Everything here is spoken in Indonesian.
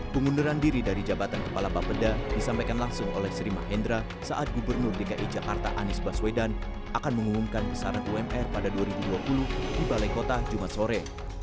pengunduran diri dari jabatan kepala bapeda disampaikan langsung oleh sri mahendra saat gubernur dki jakarta anies baswedan akan mengumumkan besaran umr pada dua ribu dua puluh di balai kota jumat sore